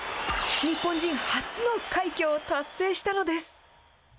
日本人初の快挙を達成したのです。